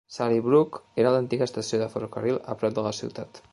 Sallybrook era l'antiga estació de ferrocarril a prop de la ciutat.